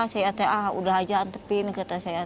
saya kata ah sudah saja antepin kata saya